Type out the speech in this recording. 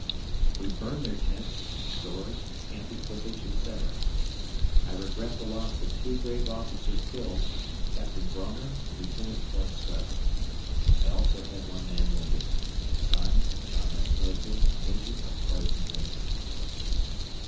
We burned their tents, stores, camp equipage, etc. I regret the loss of two brave officers killed Capt. Brawner and Lieut. Whitescarver. I also had one man wounded. (Signed) John S. Mosby, Major of Partisan Rangers.